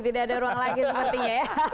tidak ada ruang lagi sepertinya ya